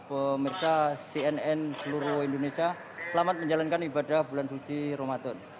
pemirsa cnn seluruh indonesia selamat menjalankan ibadah bulan suci ramadan